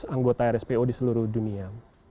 anggota rspo di seluruh dunia